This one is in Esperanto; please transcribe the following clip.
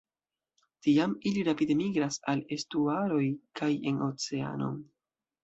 Tiam, ili rapide migras al estuaroj kaj en oceanon.